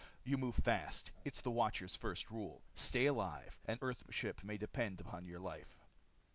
You move fast. It's the Watcher's first rule. Stay alive. An Earthship may depend upon your life.